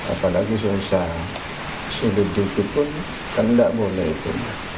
apalagi susah sulit dikit pun kan tidak boleh itu